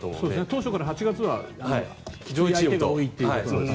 当初から８月は強い相手が多いということで。